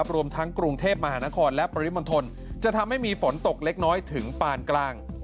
รวมทั้งกรุงเทพมหานครและปริมณฑลจะทำให้มีฝนตกเล็กน้อยถึงปานกลาง